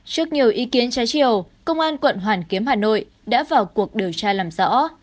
trước nhiều ý kiến trái chiều công an quận hoàn kiếm hà nội đã vào cuộc điều tra làm rõ